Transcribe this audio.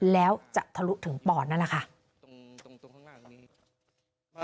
แล้วจะทะลุถึงปอนด์นั่นแหละค่ะ